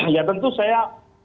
ya tentu saya